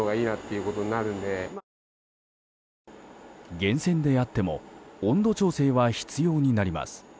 源泉であっても温度調整は必要になります。